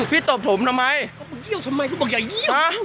ตบผมทำไมเขาบอกเยี่ยวทำไมเขาบอกอย่าเยี่ยว